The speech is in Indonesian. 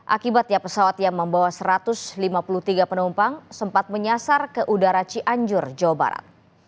akibatnya pesawat yang membawa satu ratus lima puluh tiga penumpang sempat menyasar ke udara cianjur jawa barat